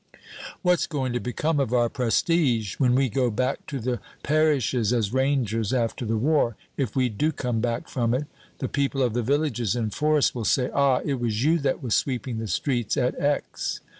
What's going to become of our prestige? When we go back to the parishes as rangers after the war if we do come back from it the people of the villages and forests will say, "Ah, it was you that was sweeping the streets at X